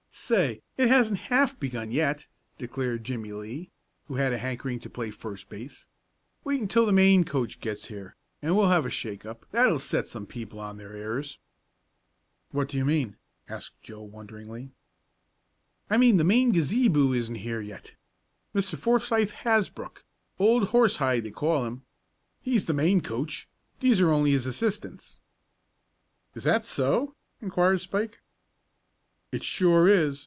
"Say, it hasn't half begun yet," declared Jimmie Lee, who had a hankering to play first base. "Wait until the main coach gets here, and we'll have a shake up that'll set some people on their ears." "What do you mean?" asked Joe wonderingly. "I mean that the main gazaboo isn't here yet: Mr. Forsythe Hasbrook old Horsehide they call him. He's the main coach. These are only his assistants." "Is that so?" inquired Spike. "It sure is.